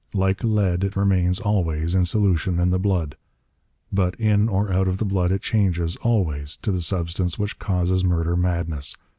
Like lead, it remains always in solution in the blood. But in or out of the blood it changes, always, to the substance which causes murder madness.